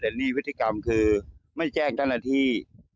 แต่นี่พฤติกรรมคือไม่แจ้งเจ้าหน้าที่